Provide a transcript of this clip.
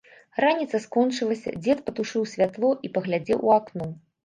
Раніца скончылася, дзед патушыў святло і паглядзеў у акно.